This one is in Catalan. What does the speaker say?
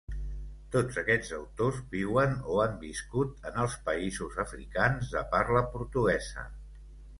Tots aquests autors viuen o han viscut en els països africans de parla portuguesa.